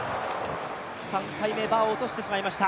３回目はバーを落としてしまいました。